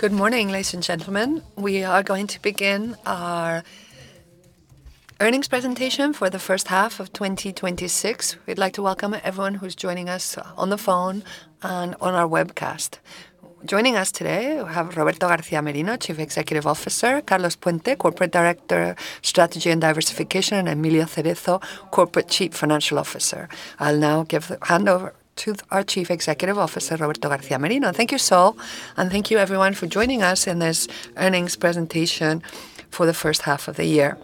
Good morning, ladies and gentlemen. We are going to begin our earnings presentation for the first half of 2026. We'd like to welcome everyone who's joining us on the phone and on our webcast. Joining us today, we have Roberto García Merino, Chief Executive Officer, Carlos Puente, Corporate Director, Strategy and Diversification, and Emilio Cerezo, Chief Financial Officer. I'll now hand over to our Chief Executive Officer, Roberto García Merino. Thank you, Sol. Thank you everyone for joining us in this earnings presentation for the first half of the year.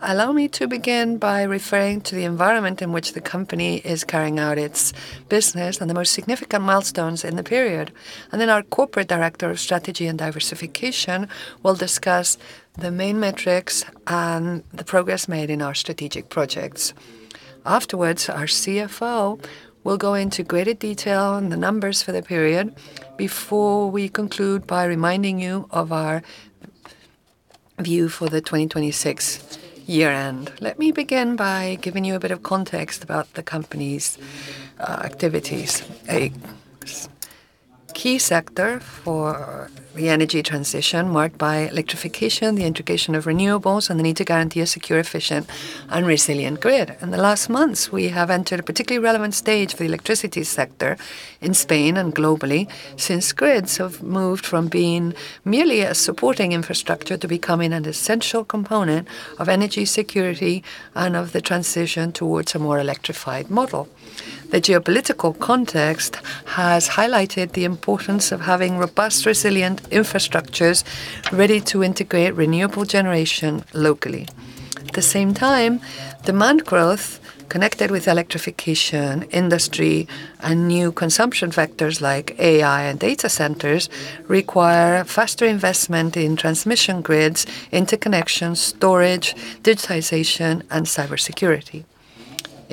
Allow me to begin by referring to the environment in which the company is carrying out its business and the most significant milestones in the period. Our Corporate Director of Strategy and Diversification will discuss the main metrics and the progress made in our strategic projects. Afterwards, our CFO will go into greater detail on the numbers for the period before we conclude by reminding you of our view for the 2026 year-end. Let me begin by giving you a bit of context about the company's activities. A key sector for the energy transition marked by electrification, the integration of renewables, and the need to guarantee a secure, efficient, and resilient grid. In the last months, we have entered a particularly relevant stage for the electricity sector in Spain and globally, since grids have moved from being merely a supporting infrastructure to becoming an essential component of energy security and of the transition towards a more electrified model. The geopolitical context has highlighted the importance of having robust, resilient infrastructures ready to integrate renewable generation locally. At the same time, demand growth connected with electrification, industry, and new consumption vectors like AI and data centers require faster investment in transmission grids, interconnection, storage, digitization, and cybersecurity.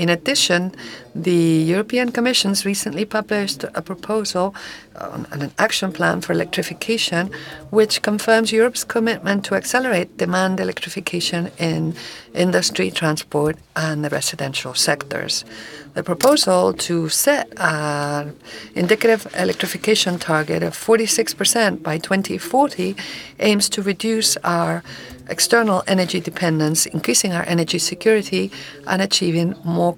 In addition, the European Commission recently published a proposal and an action plan for electrification, which confirms Europe's commitment to accelerate demand electrification in industry, transport, and the residential sectors. The proposal to set an indicative electrification target of 46% by 2040 aims to reduce our external energy dependence, increasing our energy security, and achieving more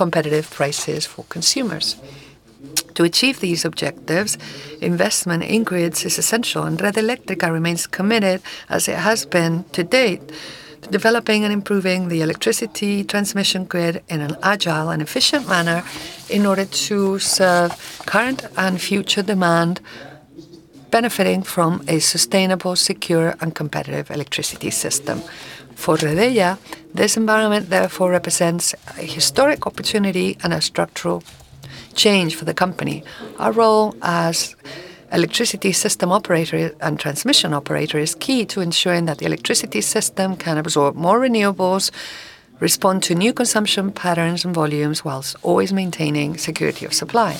competitive prices for consumers. To achieve these objectives, investment in grids is essential. Red Eléctrica remains committed, as it has been to date, to developing and improving the electricity transmission grid in an agile and efficient manner in order to serve current and future demand, benefiting from a sustainable, secure, and competitive electricity system. For Redeia, this environment therefore represents a historic opportunity and a structural change for the company. Our role as electricity system operator and transmission operator is key to ensuring that the electricity system can absorb more renewables, respond to new consumption patterns and volumes, whilst always maintaining security of supply.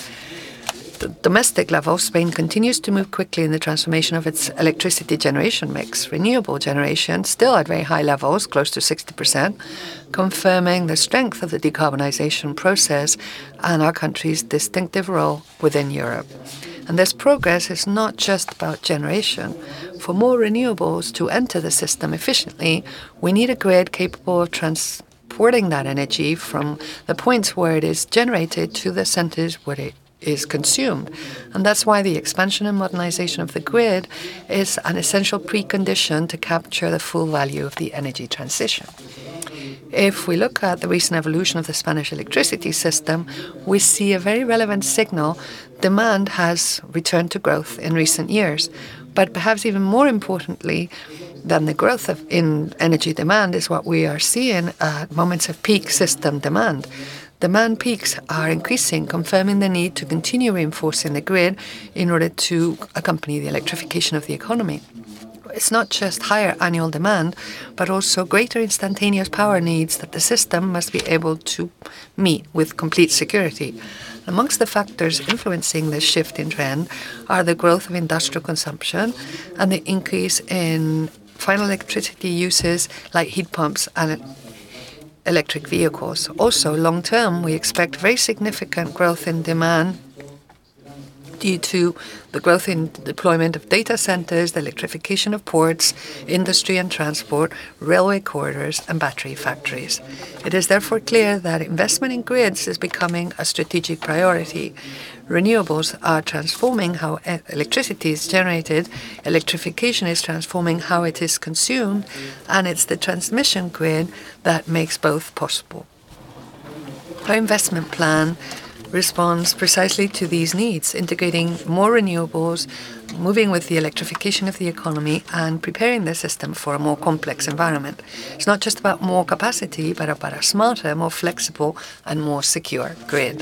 At the domestic level, Spain continues to move quickly in the transformation of its electricity generation mix. Renewable generation, still at very high levels, close to 60%, confirming the strength of the decarbonization process and our country's distinctive role within Europe. This progress is not just about generation. For more renewables to enter the system efficiently, we need a grid capable of transporting that energy from the points where it is generated to the centers where it is consumed. That's why the expansion and modernization of the grid is an essential precondition to capture the full value of the energy transition. If we look at the recent evolution of the Spanish electricity system, we see a very relevant signal. Demand has returned to growth in recent years. Perhaps even more importantly than the growth in energy demand is what we are seeing at moments of peak system demand. Demand peaks are increasing, confirming the need to continue reinforcing the grid in order to accompany the electrification of the economy. It's not just higher annual demand, but also greater instantaneous power needs that the system must be able to meet with complete security. Among the factors influencing this shift in trend are the growth of industrial consumption and the increase in final electricity uses like heat pumps and electric vehicles. Also, long-term, we expect very significant growth in demand due to the growth in deployment of data centers, the electrification of ports, industry and transport, railway corridors, and battery factories. It is therefore clear that investment in grids is becoming a strategic priority. Renewables are transforming how electricity is generated, electrification is transforming how it is consumed, and it's the transmission grid that makes both possible. Our investment plan responds precisely to these needs, integrating more renewables, moving with the electrification of the economy, and preparing the system for a more complex environment. It's not just about more capacity, but a smarter, more flexible, and more secure grid.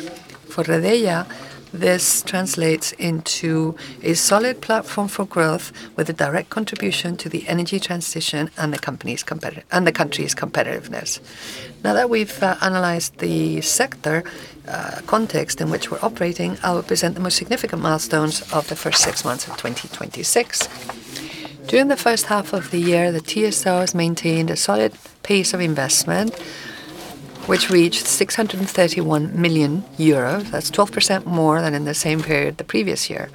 For Redeia, this translates into a solid platform for growth with a direct contribution to the energy transition and the country's competitiveness. Now that we've analyzed the sector context in which we're operating, I'll present the most significant milestones of the first six months of 2026. During the first half of the year, the TSO has maintained a solid pace of investment, which reached 631 million euros. That's 12% more than in the same period the previous year.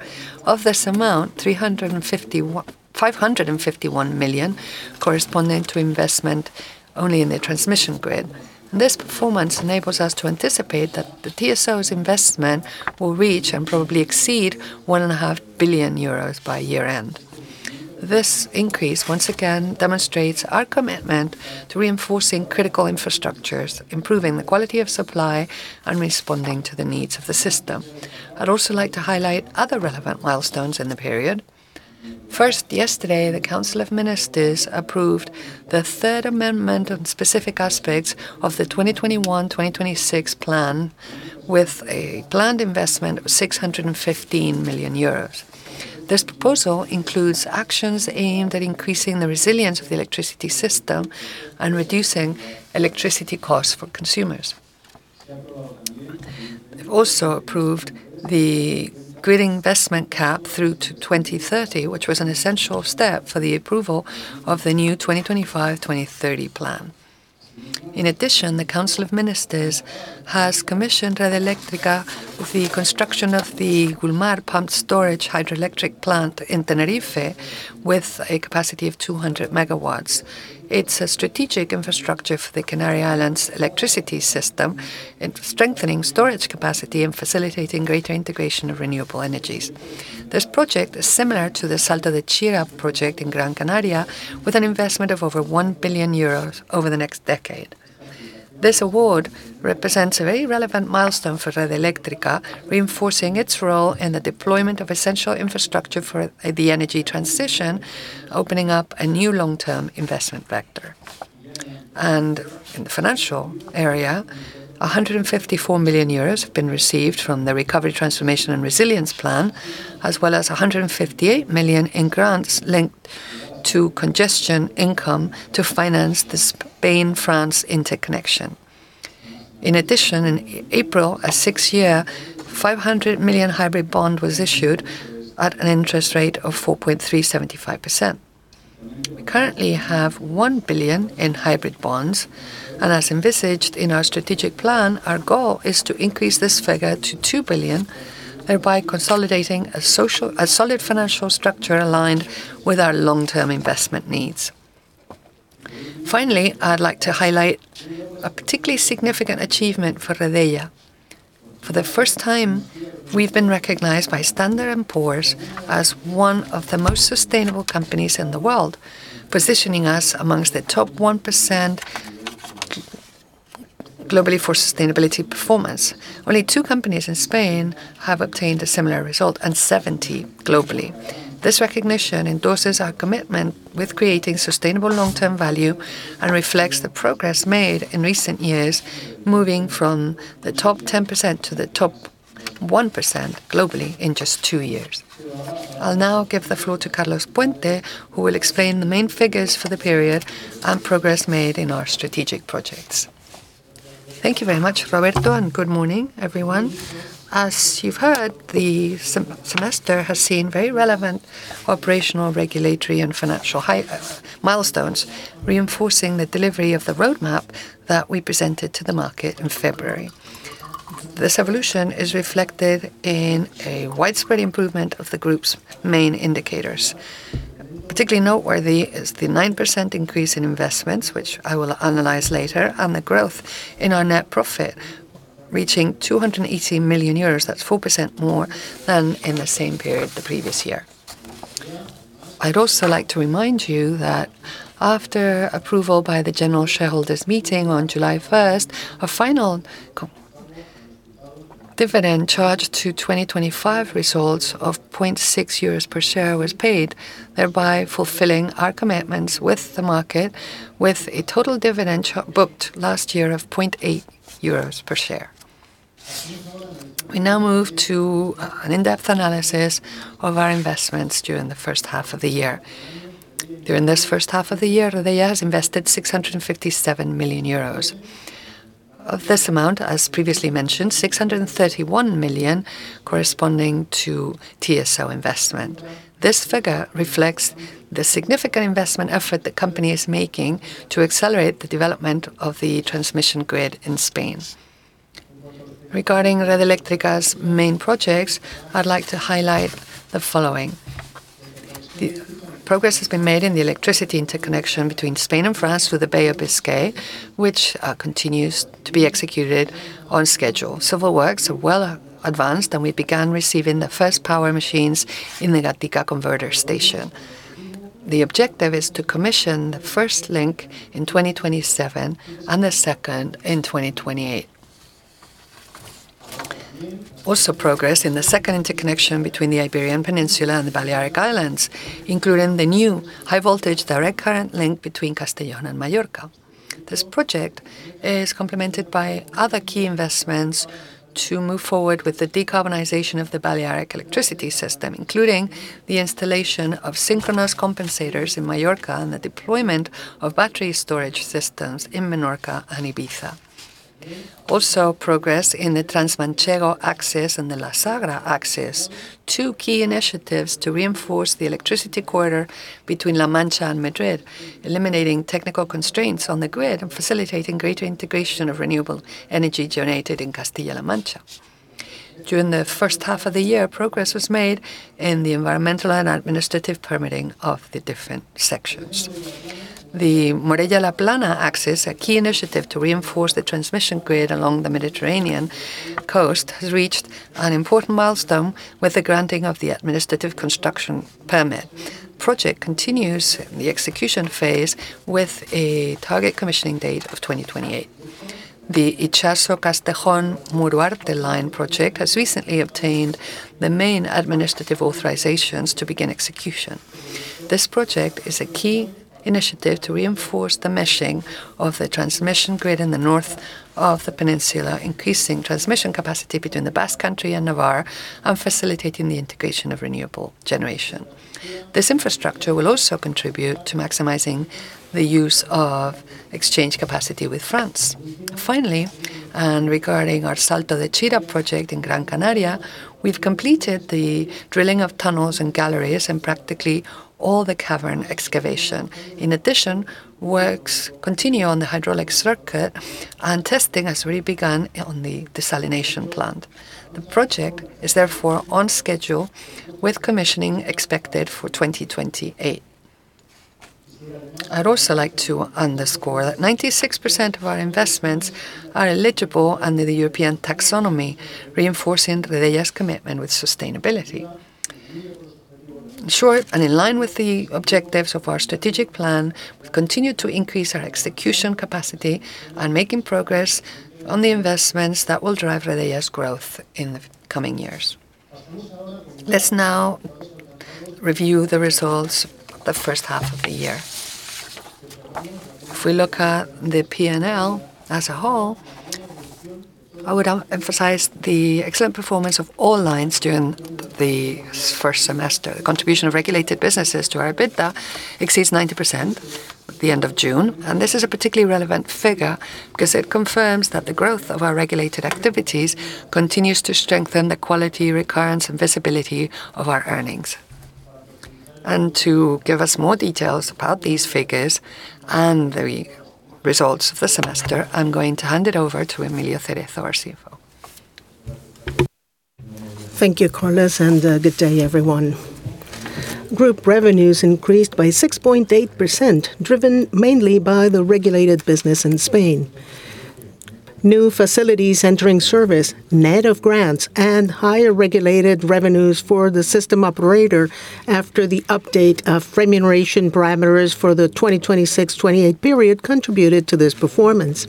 Of this amount, 551 million corresponding to investment only in the transmission grid. This performance enables us to anticipate that the TSO's investment will reach, and probably exceed, 1.5 billion euros by year-end. This increase, once again, demonstrates our commitment to reinforcing critical infrastructures, improving the quality of supply, and responding to the needs of the system. I'd also like to highlight other relevant milestones in the period. First, yesterday, the Council of Ministers approved the third amendment on specific aspects of the 2021-2026 plan with a planned investment of 615 million euros. This proposal includes actions aimed at increasing the resilience of the electricity system and reducing electricity costs for consumers. They've also approved the grid investment cap through to 2030, which was an essential step for the approval of the new 2025-2030 plan. In addition, the Council of Ministers has commissioned Red Eléctrica with the construction of the Güímar Pumped Storage Hydroelectric Plant in Tenerife, with a capacity of 200 MW. It's a strategic infrastructure for the Canary Islands electricity system, strengthening storage capacity and facilitating greater integration of renewable energies. This project is similar to the Salto de Chira project in Gran Canaria, with an investment of over 1 billion euros over the next decade. This award represents a very relevant milestone for Red Eléctrica, reinforcing its role in the deployment of essential infrastructure for the energy transition, opening up a new long-term investment vector. In the financial area, 154 million euros have been received from the Recovery, Transformation and Resilience Plan, as well as 158 million in grants linked to congestion income to finance the Spain-France interconnection. In addition, in April, a six-year, 500 million hybrid bond was issued at an interest rate of 4.375%. We currently have 1 billion in hybrid bonds, as envisaged in our strategic plan, our goal is to increase this figure to 2 billion, thereby consolidating a solid financial structure aligned with our long-term investment needs. Finally, I'd like to highlight a particularly significant achievement for Redeia. For the first time, we've been recognized by Standard & Poor's as one of the most sustainable companies in the world, positioning us amongst the top 1% globally for sustainability performance. Only two companies in Spain have obtained a similar result, and 70 globally. This recognition endorses our commitment with creating sustainable long-term value and reflects the progress made in recent years, moving from the top 10% to the top 1% globally in just two years. I'll now give the floor to Carlos Puente, who will explain the main figures for the period and progress made in our strategic projects. Thank you very much, Roberto, good morning, everyone. As you've heard, the semester has seen very relevant operational, regulatory, and financial milestones, reinforcing the delivery of the roadmap that we presented to the market in February. This evolution is reflected in a widespread improvement of the group's main indicators. Particularly noteworthy is the 9% increase in investments, which I will analyze later, and the growth in our net profit, reaching 280 million euros. That's 4% more than in the same period the previous year. I'd also like to remind you that after approval by the general shareholders meeting on July 1st, a final dividend charged to 2025 results of 0.6 euros per share was paid, thereby fulfilling our commitments with the market with a total dividend booked last year of 0.8 euros per share. We now move to an in-depth analysis of our investments during the first half of the year. During this first half of the year, Redeia has invested 657 million euros. Of this amount, as previously mentioned, 631 million corresponding to TSO investment. This figure reflects the significant investment effort the company is making to accelerate the development of the transmission grid in Spain. Regarding Red Eléctrica's main projects, I'd like to highlight the following. Progress has been made in the electricity interconnection between Spain and France through the Bay of Biscay, which continues to be executed on schedule. Civil works are well advanced, we began receiving the first power machines in the Gatica converter station. The objective is to commission the first link in 2027 and the second in 2028. Progress in the second interconnection between the Iberian Peninsula and the Balearic Islands, including the new high-voltage direct current link between Castellón and Mallorca. This project is complemented by other key investments to move forward with the decarbonization of the Balearic electricity system, including the installation of synchronous compensators in Mallorca and the deployment of battery storage systems in Menorca and Ibiza. Progress in the Transmanchego axis and the La Sagra axis, two key initiatives to reinforce the electricity corridor between La Mancha and Madrid, eliminating technical constraints on the grid and facilitating greater integration of renewable energy generated in Castile-La Mancha. During the first half of the year, progress was made in the environmental and administrative permitting of the different sections. The Morella-La Plana access, a key initiative to reinforce the transmission grid along the Mediterranean coast, has reached an important milestone with the granting of the administrative construction permit. Project continues the execution phase with a target commissioning date of 2028. The Itxaso-Castejón-Muruarte line project has recently obtained the main administrative authorizations to begin execution. This project is a key initiative to reinforce the meshing of the transmission grid in the north of the peninsula, increasing transmission capacity between the Basque Country and Navarre, and facilitating the integration of renewable generation. This infrastructure will also contribute to maximizing the use of exchange capacity with France. Finally, regarding our Salto de Chira project in Gran Canaria, we've completed the drilling of tunnels and galleries and practically all the cavern excavation. In addition, works continue on the hydraulic circuit, and testing has already begun on the desalination plant. The project is therefore on schedule with commissioning expected for 2028. I'd also like to underscore that 96% of our investments are eligible under the European Taxonomy, reinforcing Redeia's commitment with sustainability. In short, in line with the objectives of our strategic plan, we've continued to increase our execution capacity and making progress on the investments that will drive Redeia's growth in the coming years. Let's now review the results of the first half of the year. If we look at the P&L as a whole, I would emphasize the excellent performance of all lines during the first semester. The contribution of regulated businesses to our EBITDA exceeds 90% at the end of June, and this is a particularly relevant figure because it confirms that the growth of our regulated activities continues to strengthen the quality, recurrence, and visibility of our earnings. To give us more details about these figures and the results of the semester, I'm going to hand it over to Emilio Cerezo, our CFO. Thank you, Carlos, and good day everyone. Group revenues increased by 6.8%, driven mainly by the regulated business in Spain. New facilities entering service, net of grants, and higher regulated revenues for the system operator after the update of remuneration parameters for the 2026-2028 period contributed to this performance.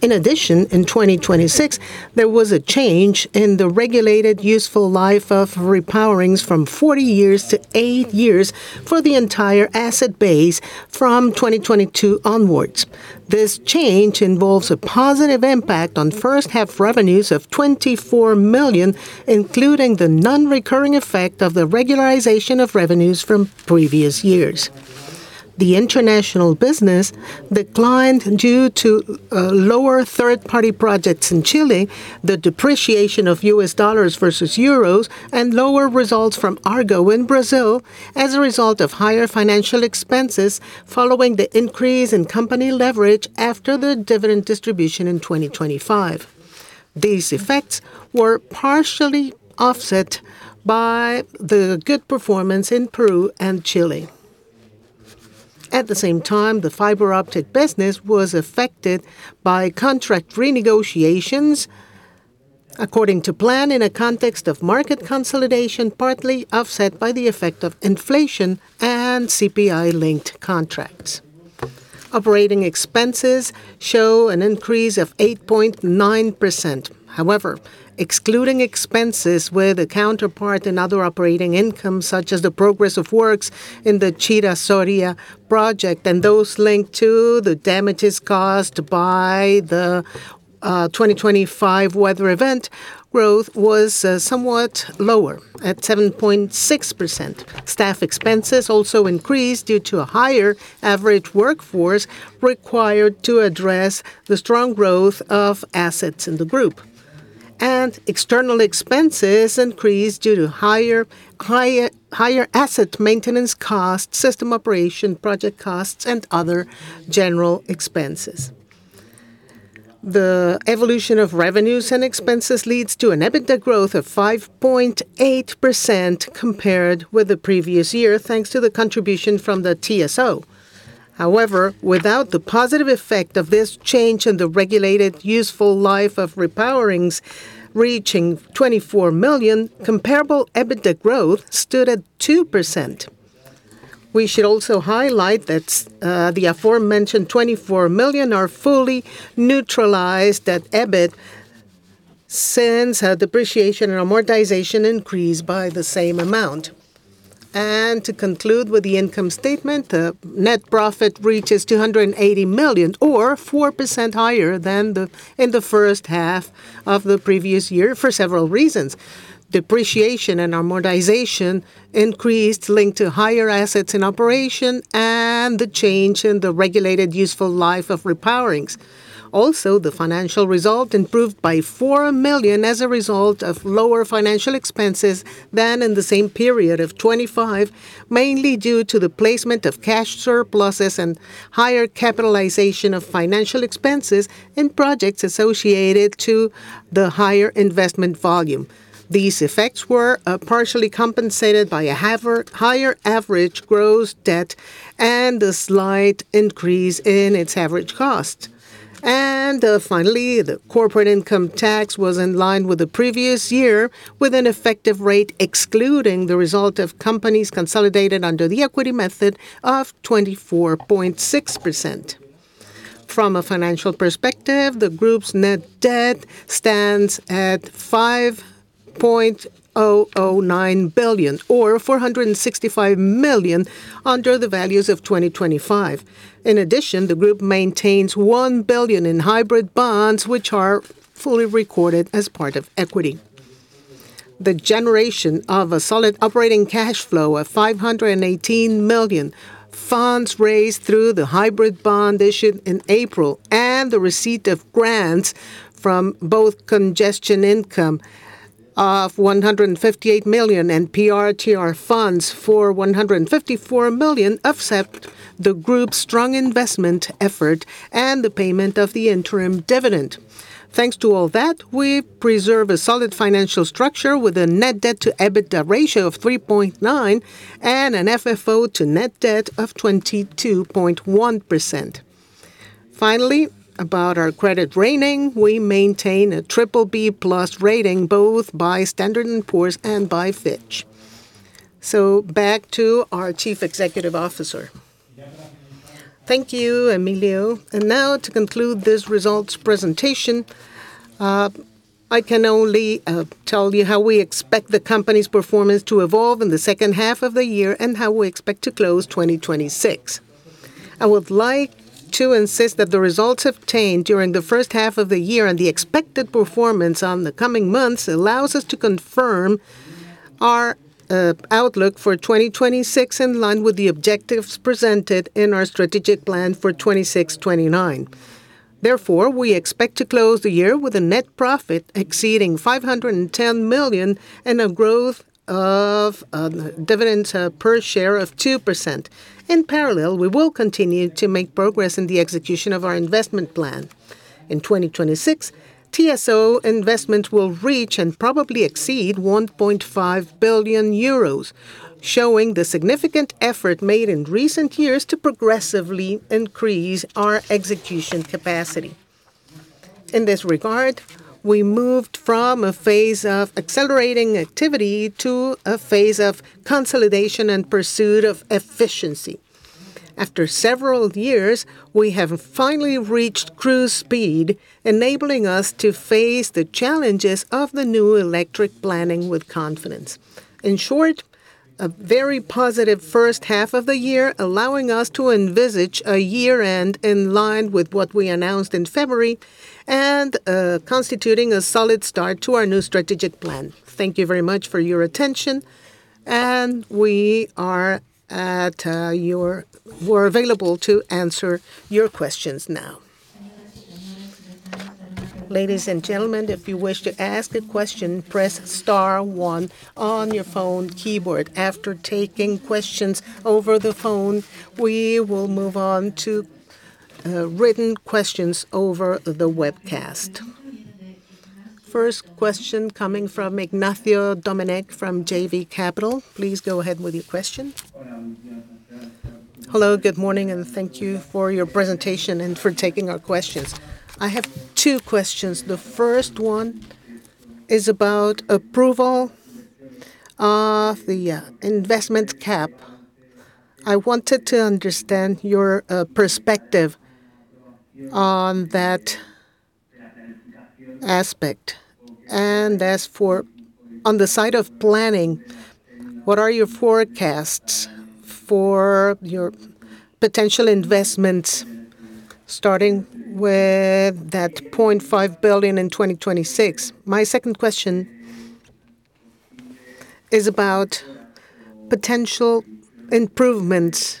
In addition, in 2026, there was a change in the regulated useful life of repowerings from 40 years to eight years for the entire asset base from 2022 onwards. This change involves a positive impact on first half revenues of 24 million, including the non-recurring effect of the regularization of revenues from previous years. The international business declined due to lower third-party projects in Chile, the depreciation of U.S. dollars versus euros, and lower results from Argo in Brazil as a result of higher financial expenses following the increase in company leverage after the dividend distribution in 2025. These effects were partially offset by the good performance in Peru and Chile. At the same time, the fiber optic business was affected by contract renegotiations according to plan in a context of market consolidation, partly offset by the effect of inflation and CPI-linked contracts. Operating expenses show an increase of 8.9%. However, excluding expenses where the counterpart and other operating income, such as the progress of works in the Chira-Soria Project and those linked to the damages caused by the 2025 weather event, growth was somewhat lower at 7.6%. Staff expenses also increased due to a higher average workforce required to address the strong growth of assets in the group. External expenses increased due to higher asset maintenance costs, system operation project costs, and other general expenses. The evolution of revenues and expenses leads to an EBITDA growth of 5.8% compared with the previous year, thanks to the contribution from the TSO. However, without the positive effect of this change in the regulated useful life of repowerings reaching 24 million, comparable EBITDA growth stood at 2%. We should also highlight that the aforementioned 24 million are fully neutralized at EBIT, since our depreciation and amortization increased by the same amount. To conclude with the income statement, the net profit reaches 280 million, or 4% higher than in the first half of the previous year for several reasons. Depreciation and amortization increased linked to higher assets in operation and the change in the regulated useful life of repowerings. Also, the financial result improved by 4 million as a result of lower financial expenses than in the same period of 2025, mainly due to the placement of cash surpluses and higher capitalization of financial expenses in projects associated to the higher investment volume. These effects were partially compensated by a higher average gross debt and a slight increase in its average cost. Finally, the corporate income tax was in line with the previous year, with an effective rate excluding the result of companies consolidated under the equity method of 24.6%. From a financial perspective, the group's net debt stands at 5.009 billion, or 465 million under the values of 2025. In addition, the group maintains 1 billion in hybrid bonds, which are fully recorded as part of equity. The generation of a solid operating cash flow of 518 million, funds raised through the hybrid bond issued in April, and the receipt of grants from both congestion income of 158 million and PRTR funds for 154 million, offset the group's strong investment effort and the payment of the interim dividend. Thanks to all that, we preserve a solid financial structure with a net debt to EBITDA ratio of 3.9x and an FFO to net debt of 22.1%. Finally, about our credit rating, we maintain a BBB+ rating, both by Standard & Poor's and by Fitch. Back to our Chief Executive Officer. Thank you, Emilio. Now to conclude this results presentation, I can only tell you how we expect the company's performance to evolve in the second half of the year and how we expect to close 2026. I would like to insist that the results obtained during the first half of the year and the expected performance in the coming months allow us to confirm our outlook for 2026, in line with the objectives presented in our strategic plan for 2026-2029. Therefore, we expect to close the year with a net profit exceeding 510 million and a growth of dividend per share of 2%. In parallel, we will continue to make progress in the execution of our investment plan. In 2026, TSO investment will reach and probably exceed 1.5 billion euros, showing the significant effort made in recent years to progressively increase our execution capacity. In this regard, we moved from a phase of accelerating activity to a phase of consolidation and pursuit of efficiency. After several years, we have finally reached cruise speed, enabling us to face the challenges of the new electric planning with confidence. In short, a very positive first half of the year, allowing us to envisage a year-end in line with what we announced in February and constituting a solid start to our new strategic plan. Thank you very much for your attention, and we're available to answer your questions now. Ladies and gentlemen, if you wish to ask a question, press star one on your phone keyboard. After taking questions over the phone, we will move on to written questions over the webcast. First question coming from Ignacio Doménech from JB Capital, please go ahead with your question. Hello, good morning, and thank you for your presentation and for taking our questions. I have two questions. The first one is about approval of the investment cap. I wanted to understand your perspective on that aspect. On the side of planning, what are your forecasts for your potential investments, starting with that 0.5 billion in 2026? My second question is about potential improvements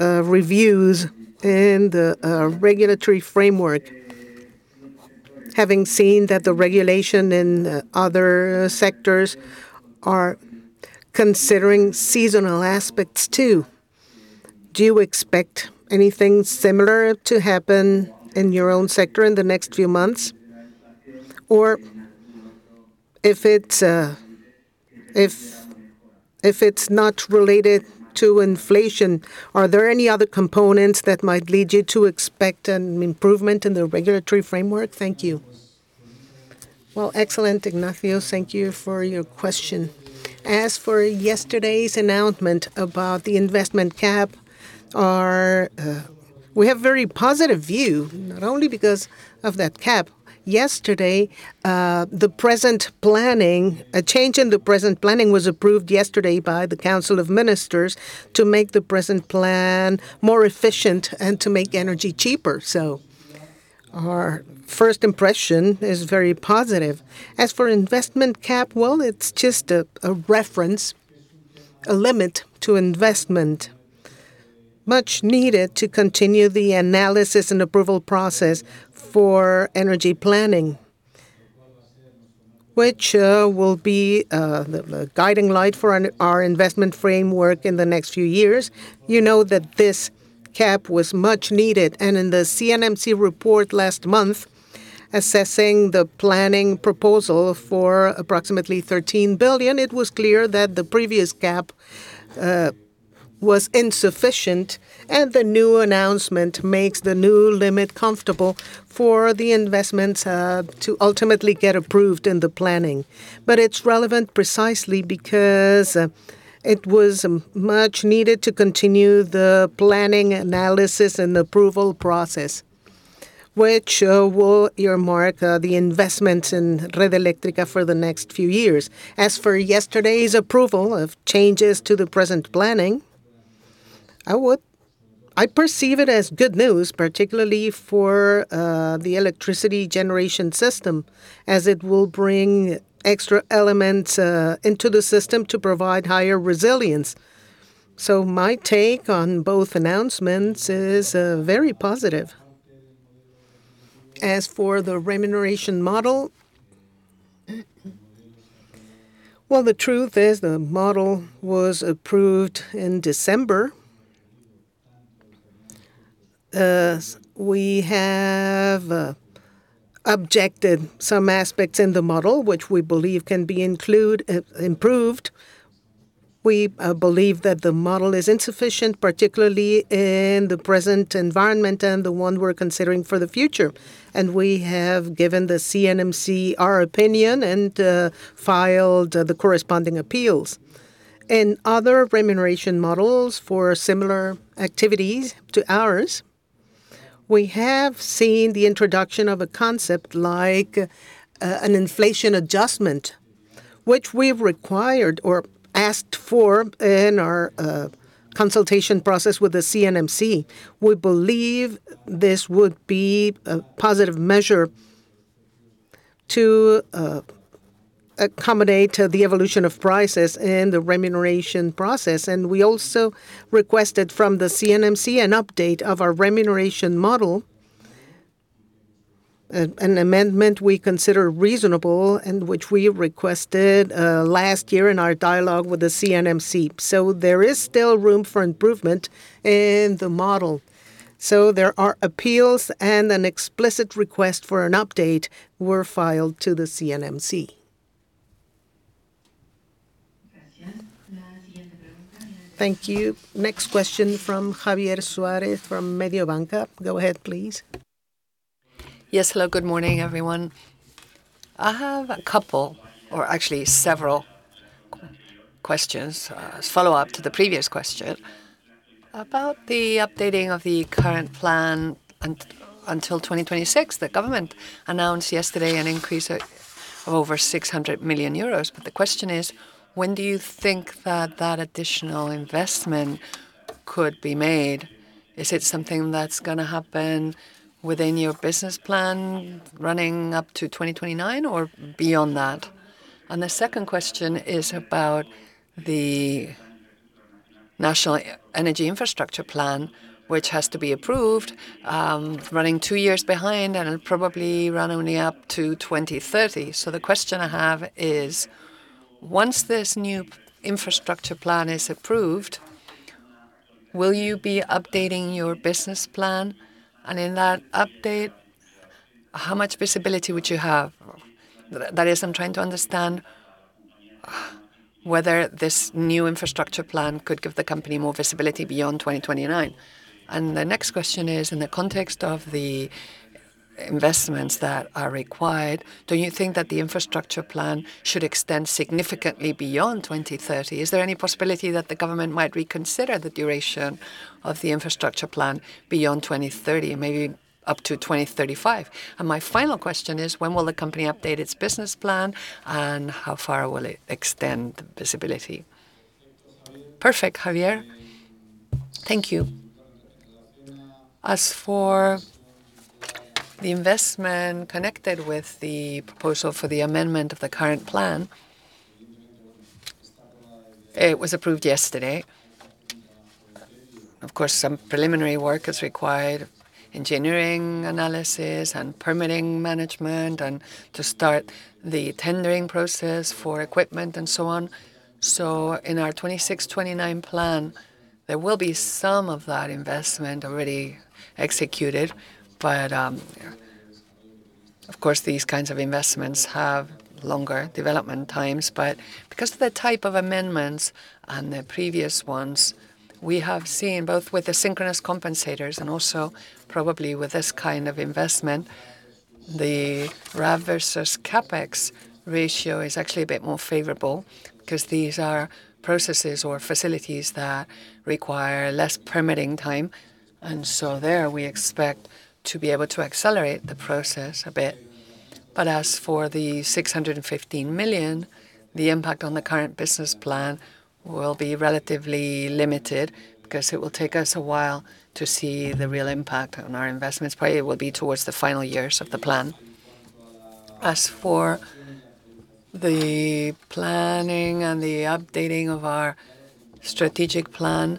or reviews in the regulatory framework. Having seen that the regulation in other sectors are considering seasonal aspects too, do you expect anything similar to happen in your own sector in the next few months? If it's not related to inflation, are there any other components that might lead you to expect an improvement in the regulatory framework? Thank you. Well, excellent, Ignacio. Thank you for your question. As for yesterday's announcement about the investment cap, we have a very positive view, not only because of that cap. A change in the present planning was approved yesterday by the Council of Ministers to make the present plan more efficient and to make energy cheaper. Our first impression is very positive. As for investment cap, well, it's just a reference, a limit to investment, much needed to continue the analysis and approval process for energy planning, which will be the guiding light for our investment framework in the next few years. You know that this cap was much needed, and in the CNMC report last month assessing the planning proposal for approximately 13 billion. It was clear that the previous cap was insufficient, and the new announcement makes the new limit comfortable for the investments to ultimately get approved in the planning. It's relevant precisely because it was much needed to continue the planning analysis and approval process. Which will earmark the investments in Red Eléctrica for the next few years. As for yesterday's approval of changes to the present planning, I perceive it as good news, particularly for the electricity generation system, as it will bring extra elements into the system to provide higher resilience. My take on both announcements is very positive. As for the remuneration model, well, the truth is the model was approved in December. We have objected some aspects in the model, which we believe can be improved. We believe that the model is insufficient, particularly in the present environment and the one we're considering for the future. We have given the CNMC our opinion and filed the corresponding appeals. In other remuneration models for similar activities to ours, we have seen the introduction of a concept like an inflation adjustment, which we've required or asked for in our consultation process with the CNMC. We believe this would be a positive measure to accommodate the evolution of prices and the remuneration process. We also requested from the CNMC an update of our remuneration model, an amendment we consider reasonable and which we requested last year in our dialogue with the CNMC. There is still room for improvement in the model. There are appeals and an explicit request for an update were filed to the CNMC. Thank you. Next question from Javier Suárez from Mediobanca. Go ahead, please. Yes. Hello. Good morning, everyone. I have a couple, or actually several, questions as follow-up to the previous question. About the updating of the current plan until 2026, the government announced yesterday an increase of over 600 million euros. The question is: when do you think that that additional investment could be made? Is it something that's going to happen within your business plan running up to 2029 or beyond that? The second question is about the National Energy Infrastructure Plan, which has to be approved, running two years behind and it will probably run only up to 2030. The question I have is: once this new infrastructure plan is approved, will you be updating your business plan? In that update, how much visibility would you have? That is, I'm trying to understand whether this new infrastructure plan could give the company more visibility beyond 2029. The next question is: in the context of the investments that are required, do you think that the infrastructure plan should extend significantly beyond 2030? Is there any possibility that the government might reconsider the duration of the infrastructure plan beyond 2030, maybe up to 2035? My final question is: when will the company update its business plan, and how far will it extend visibility? Perfect, Javier. Thank you. As for the investment connected with the proposal for the amendment of the current plan, it was approved yesterday. Of course, some preliminary work is required, engineering analysis and permitting management, and to start the tendering process for equipment and so on. In our 2026-2029 plan, there will be some of that investment already executed. Of course, these kinds of investments have longer development times. Because of the type of amendments and the previous ones, we have seen both with the synchronous compensators and also probably with this kind of investment, the RAV versus CapEx ratio is actually a bit more favorable, because these are processes or facilities that require less permitting time. There, we expect to be able to accelerate the process a bit. As for the 615 million, the impact on the current business plan will be relatively limited because it will take us a while to see the real impact on our investments. Probably, it will be towards the final years of the plan. As for the planning and the updating of our strategic plan,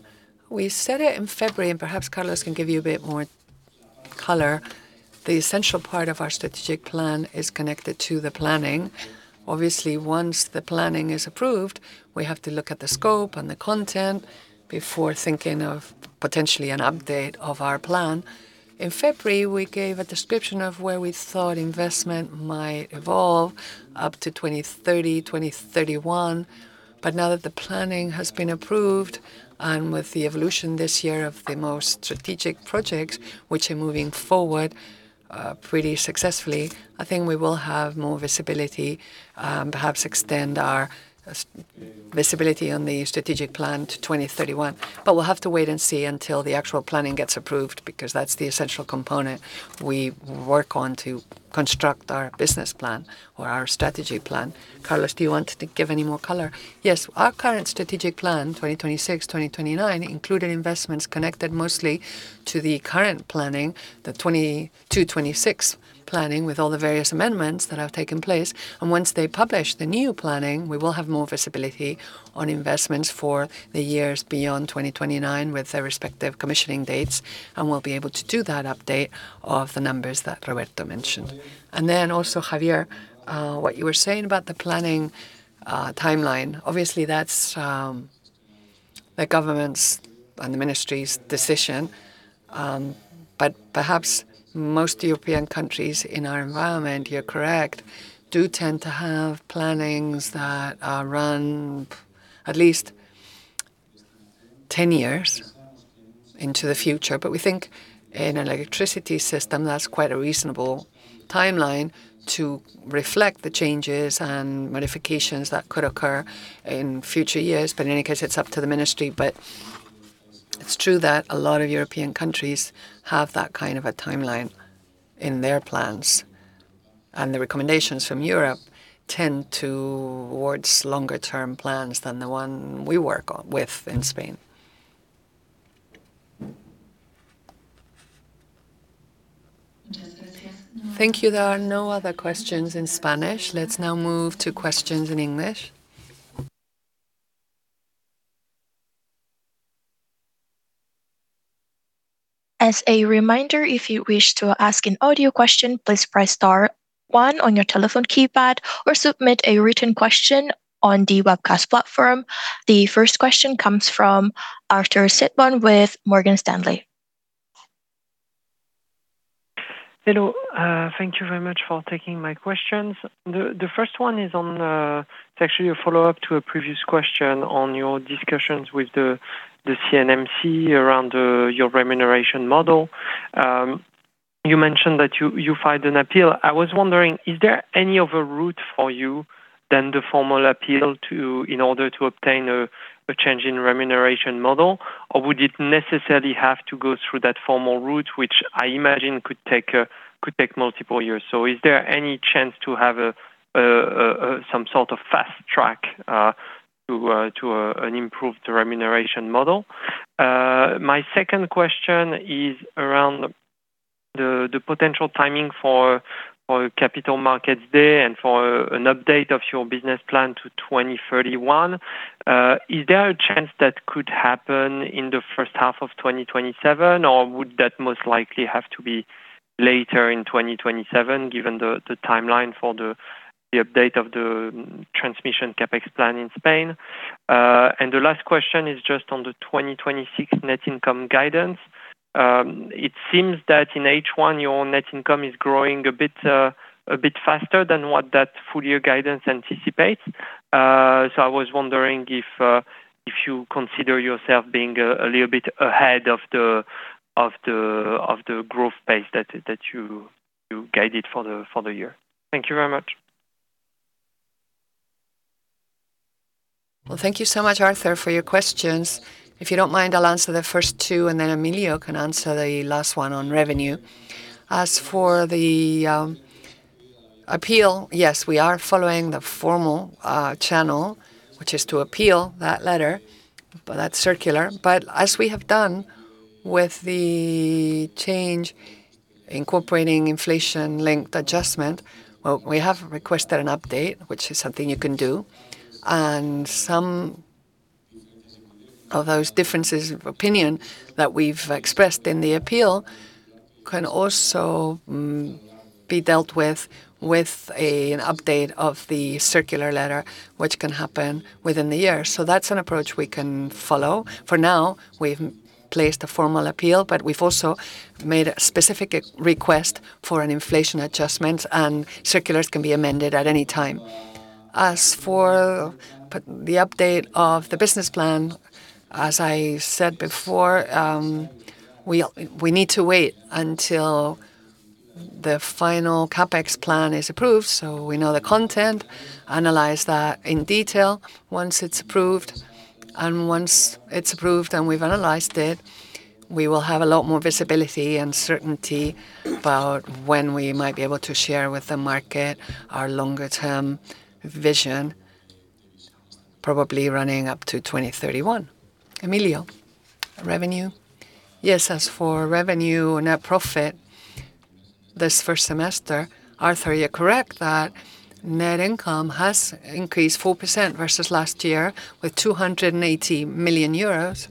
we set it in February, and perhaps Carlos can give you a bit more color. The essential part of our strategic plan is connected to the planning. Obviously, once the planning is approved, we have to look at the scope and the content before thinking of potentially an update of our plan. In February, we gave a description of where we thought investment might evolve up to 2030-2031. Now that the planning has been approved, and with the evolution this year of the most strategic projects, which are moving forward pretty successfully, I think we will have more visibility, perhaps extend our visibility on the strategic plan to 2031. We'll have to wait and see until the actual planning gets approved, because that's the essential component we work on to construct our business plan or our strategy plan. Carlos, do you want to give any more color? Yes. Our current strategic plan, 2026-2029, included investments connected mostly to the current planning, the 2026 planning, with all the various amendments that have taken place. Once they publish the new planning, we will have more visibility on investments for the years beyond 2029, with their respective commissioning dates, and we'll be able to do that update of the numbers that Roberto mentioned. Also, Javier, what you were saying about the planning timeline, obviously that's the government's and the ministry's decision. Perhaps most European countries in our environment, you're correct, do tend to have plannings that are run at least 10 years into the future. We think in an electricity system, that's quite a reasonable timeline to reflect the changes and modifications that could occur in future years. In any case, it's up to the ministry. It's true that a lot of European countries have that kind of a timeline in their plans. The recommendations from Europe tend towards longer term plans than the one we work with in Spain. Thank you. There are no other questions in Spanish. Let's now move to questions in English. As a reminder, if you wish to ask an audio question, please press star one on your telephone keypad or submit a written question on the webcast platform. The first question comes from Arthur Sitbon with Morgan Stanley. Hello. Thank you very much for taking my questions. The first one is actually a follow-up to a previous question on your discussions with the CNMC around your remuneration model. You mentioned that you filed an appeal. I was wondering, is there any other route for you than the formal appeal in order to obtain a change in remuneration model? Would it necessarily have to go through that formal route, which I imagine could take multiple years. Is there any chance to have some sort of fast track to an improved remuneration model? My second question is around the potential timing for Capital Markets Day and for an update of your business plan to 2031. Is there a chance that could happen in the first half of 2027, or would that most likely have to be later in 2027, given the timeline for the update of the transmission CapEx plan in Spain? The last question is just on the 2026 net income guidance. It seems that in H1, your net income is growing a bit faster than what that full year guidance anticipates. I was wondering if you consider yourself being a little bit ahead of the growth pace that you guided for the year. Thank you very much. Thank you so much, Arthur, for your questions. If you don't mind, I'll answer the first two, and then Emilio can answer the last one on revenue. As for the appeal, yes, we are following the formal channel, which is to appeal that letter. That's circular. As we have done with the change incorporating inflation linked adjustment, we have requested an update, which is something you can do. Some of those differences of opinion that we've expressed in the appeal can also be dealt with an update of the circular letter, which can happen within the year. That's an approach we can follow. For now, we've placed a formal appeal, but we've also made a specific request for an inflation adjustment, and circulars can be amended at any time. As for the update of the business plan, as I said before, we need to wait until the final CapEx plan is approved so we know the content, analyze that in detail once it's approved, and once it's approved and we've analyzed it, we will have a lot more visibility and certainty about when we might be able to share with the market our longer term vision, probably running up to 2031. Emilio. Revenue? Yes. As for revenue, net profit This first semester, Arthur, you're correct that net income has increased 4% versus last year, with 280 million euros.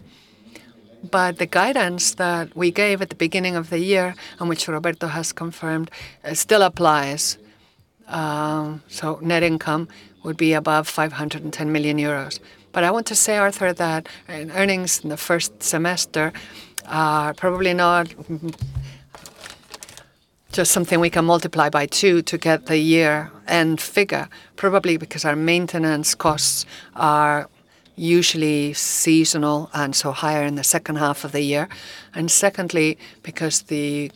The guidance that we gave at the beginning of the year, and which Roberto has confirmed, still applies. Net income would be above 510 million euros. I want to say, Arthur, that earnings in the first semester are probably not just something we can multiply by two to get the year-end figure, probably because our maintenance costs are usually seasonal and so higher in the second half of the year. Secondly, because the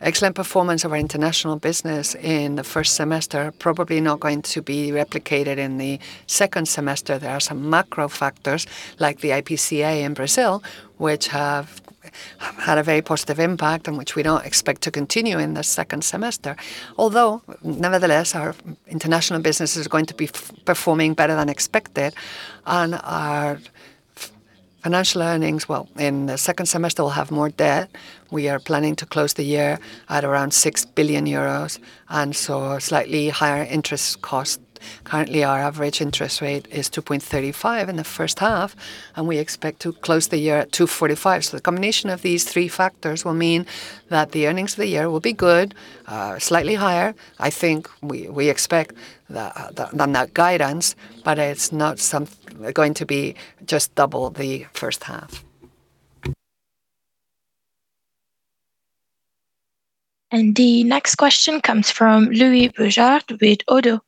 excellent performance of our international business in the first semester probably not going to be replicated in the second semester. There are some macro factors, like the IPCA in Brazil, which have had a very positive impact and which we don't expect to continue in the second semester. Although, nevertheless, our international business is going to be performing better than expected, and our financial earnings, in the second semester, we'll have more debt. We are planning to close the year at around 6 billion euros, and so slightly higher interest cost. Currently, our average interest rate is 2.35% in the first half, and we expect to close the year at 2.45%. The combination of these three factors will mean that the earnings of the year will be good, slightly higher. I think we expect than that guidance, but it's not going to be just double the first half. The next question comes from Louis Boujard with ODDO.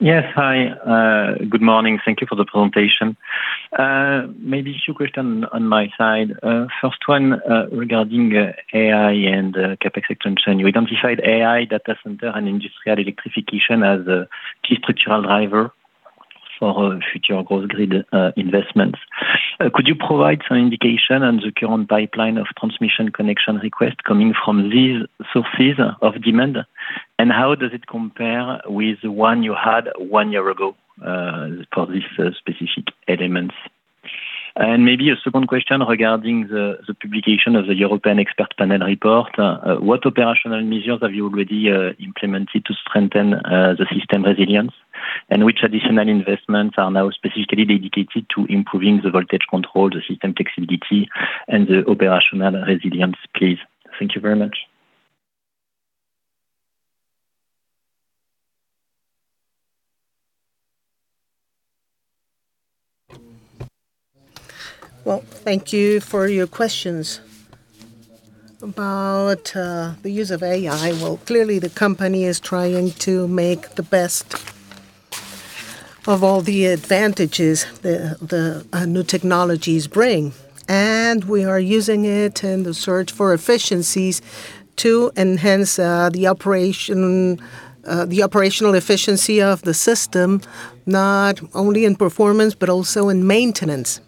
Yes. Hi, good morning. Thank you for the presentation. Maybe two question on my side. First one, regarding AI and CapEx expansion, you identified AI data center and industrial electrification as a key structural driver for future growth grid investments. Could you provide some indication on the current pipeline of transmission connection request coming from these sources of demand? How does it compare with one you had one year ago, for these specific elements? Maybe a second question regarding the publication of the European Expert Panel report. What operational measures have you already implemented to strengthen the system resilience? Which additional investments are now specifically dedicated to improving the voltage control, the system flexibility, and the operational resilience, please? Thank you very much. Well, thank you for your questions. About the use of AI, well, clearly the company is trying to make the best of all the advantages the new technologies bring. We are using it in the search for efficiencies to enhance the operational efficiency of the system, not only in performance but also in maintenance,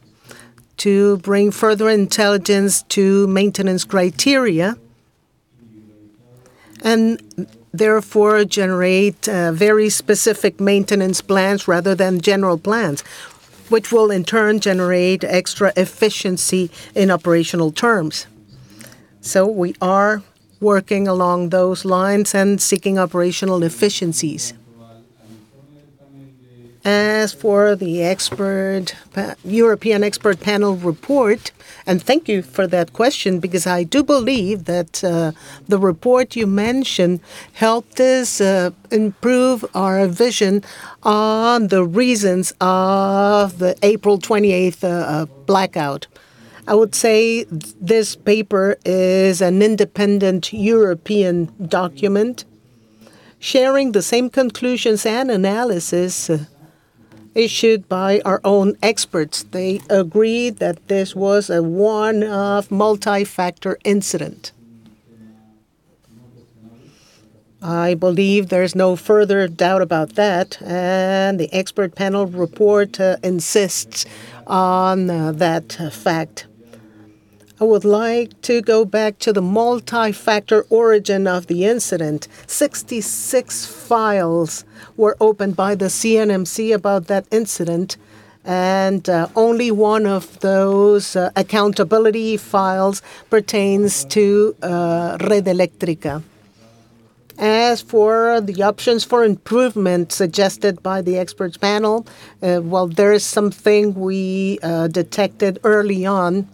to bring further intelligence to maintenance criteria, and therefore generate very specific maintenance plans rather than general plans, which will in turn generate extra efficiency in operational terms. We are working along those lines and seeking operational efficiencies. As for the European Expert Panel report, thank you for that question because I do believe that the report you mentioned helped us improve our vision on the reasons of the April 28th blackout. I would say this paper is an independent European document sharing the same conclusions and analysis issued by our own experts. They agreed that this was a one-off multi-factor incident. I believe there's no further doubt about that, the expert panel report insists on that fact. I would like to go back to the multi-factor origin of the incident. 66 files were opened by the CNMC about that incident, only one of those accountability files pertains to Red Eléctrica. As for the options for improvement suggested by the experts panel, well, there is something we detected early on,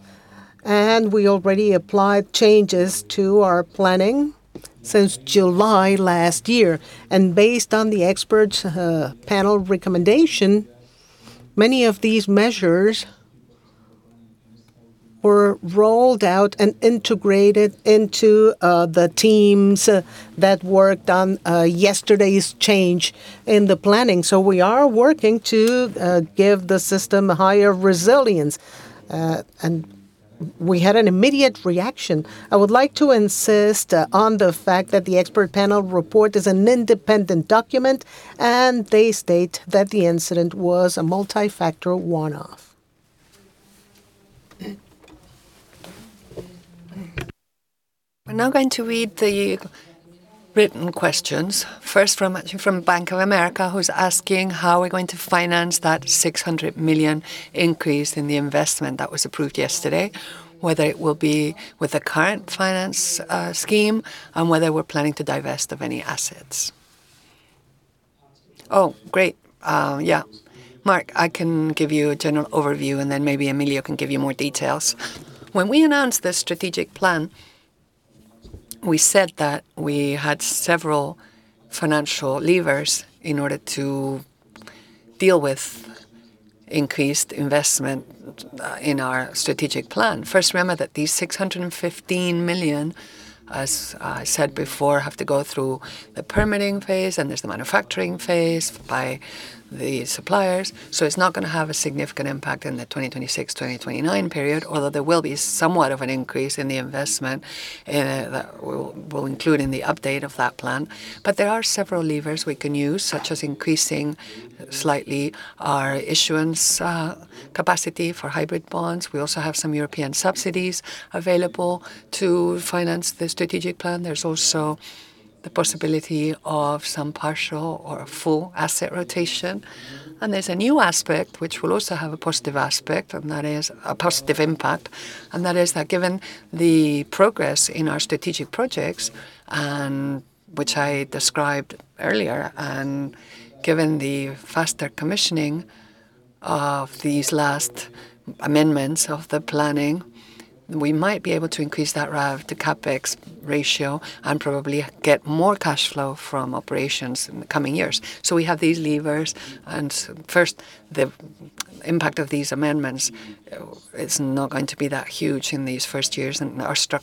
we already applied changes to our planning since July last year. Based on the experts panel recommendation, many of these measures were rolled out and integrated into the teams that worked on yesterday's change in the planning. We are working to give the system higher resilience. We had an immediate reaction. I would like to insist on the fact that the expert panel report is an independent document. They state that the incident was a multi-factor one-off. We're now going to read the written questions, first from Bank of America, who's asking how we're going to finance that 600 million increase in the investment that was approved yesterday, whether it will be with the current finance scheme and whether we're planning to divest of any assets? Oh, great. Yeah. I can give you a general overview, and then maybe Emilio can give you more details. When we announced the strategic plan, we said that we had several financial levers in order to deal with increased investment in our strategic plan. First, remember that these 615 million, as I said before, have to go through the permitting phase, and there's the manufacturing phase by the suppliers. It's not going to have a significant impact in the 2026-2029 period, although there will be somewhat of an increase in the investment that we'll include in the update of that plan. There are several levers we can use, such as increasing slightly our issuance capacity for hybrid bonds. We also have some European subsidies available to finance the strategic plan. There's also the possibility of some partial or full asset rotation. There's a new aspect, which will also have a positive impact, and that is that given the progress in our strategic projects, which I described earlier, and given the faster commissioning of these last amendments of the planning, we might be able to increase that RAV to CapEx ratio and probably get more cash flow from operations in the coming years. We have these levers, and first, the impact of these amendments, it's not going to be that huge in these first years.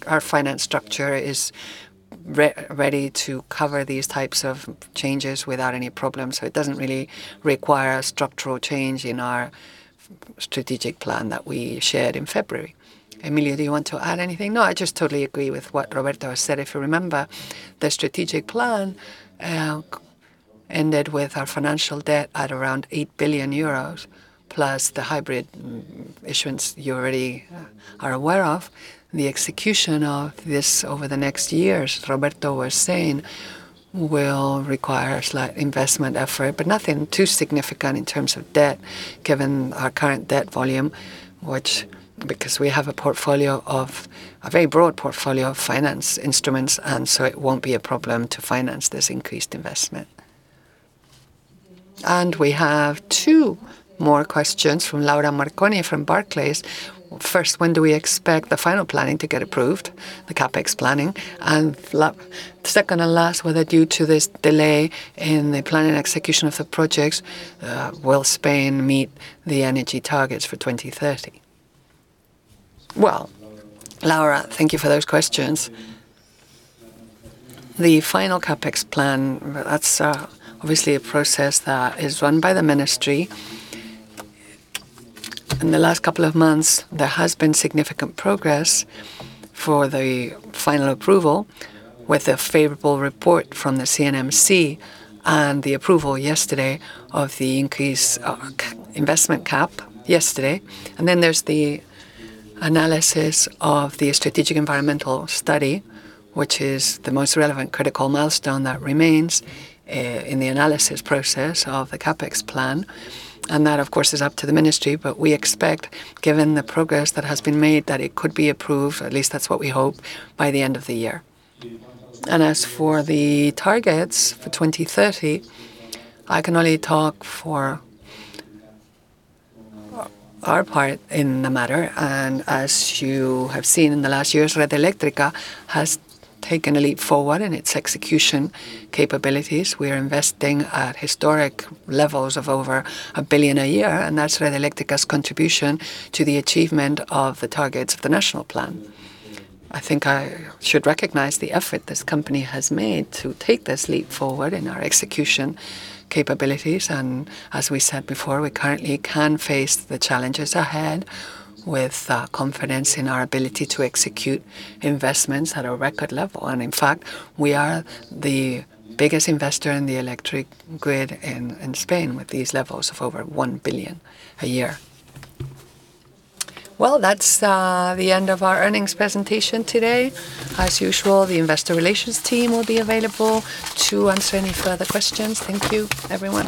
Our finance structure is ready to cover these types of changes without any problems. It doesn't really require a structural change in our strategic plan that we shared in February. Emilio, do you want to add anything? No, I just totally agree with what Roberto said. If you remember, the strategic plan ended with our financial debt at around 8 billion euros, plus the hybrid issuance you already are aware of. The execution of this over the next years, Roberto was saying, will require slight investment effort, but nothing too significant in terms of debt, given our current debt volume, because we have a very broad portfolio of finance instruments, and so it won't be a problem to finance this increased investment. We have two more questions from Laura Marconi from Barclays. First, when do we expect the final planning to get approved, the CapEx planning? Second and last, whether due to this delay in the planning execution of the projects, will Spain meet the energy targets for 2030? Well, Laura, thank you for those questions. The final CapEx plan, that's obviously a process that is run by the ministry. In the last couple of months, there has been significant progress for the final approval with a favorable report from the CNMC and the approval yesterday of the increased investment cap. Then there's the analysis of the strategic environmental study, which is the most relevant critical milestone that remains in the analysis process of the CapEx plan. That, of course, is up to the ministry, but we expect, given the progress that has been made, that it could be approved, at least that's what we hope, by the end of the year. As for the targets for 2030, I can only talk for our part in the matter, as you have seen in the last years, Red Eléctrica has taken a leap forward in its execution capabilities. We are investing at historic levels of over 1 billion a year, that's Red Eléctrica's contribution to the achievement of the targets of the National Plan. I think I should recognize the effort this company has made to take this leap forward in our execution capabilities. As we said before, we currently can face the challenges ahead with confidence in our ability to execute investments at a record level. In fact, we are the biggest investor in the electric grid in Spain with these levels of over 1 billion a year. That's the end of our earnings presentation today. As usual, the Investor Relations team will be available to answer any further questions. Thank you, everyone.